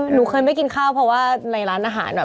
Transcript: หนูเคยไม่กินข้าวเพราะว่าในร้านอาหารอ่ะ